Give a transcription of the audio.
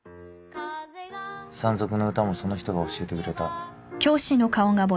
『山賊の歌』もその人が教えてくれた。